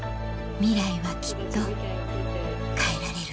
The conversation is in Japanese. ミライはきっと変えられる